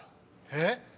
えっ？